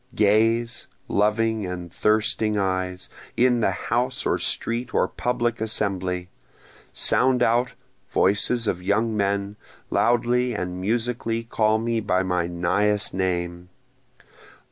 Gaze, loving and thirsting eyes, in the house or street or public assembly! Sound out, voices of young men! loudly and musically call me by my nighest name!